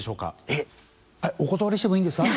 えっお断りしてもいいんですか？